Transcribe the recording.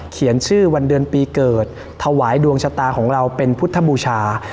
เขียนชื่อวันเดือนปีเกิดถวายดวงชะตาของเราเป็นพุทธบูชา